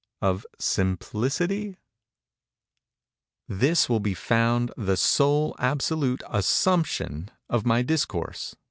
—of Simplicity? This will be found the sole absolute assumption of my Discourse.